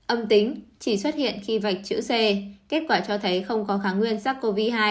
âm tính chỉ xuất hiện khi vạch chữ c kết quả cho thấy không có kháng nguyên sars cov hai